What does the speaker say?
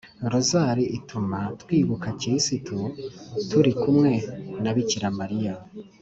rozali ituma twibuka kristu turi kumwe na bikira mariya